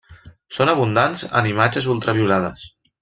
Són abundants en imatges ultraviolades.